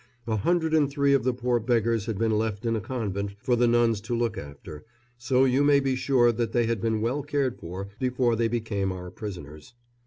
A hundred and three of the poor beggars had been left in a convent for the nuns to look after, so you may be sure that they had been well cared for before they became our prisoners.